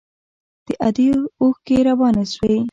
د ادې اوښکې روانې سوې.